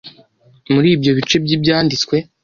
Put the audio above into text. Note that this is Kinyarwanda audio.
Muri ibyo bice by’Ibyanditswe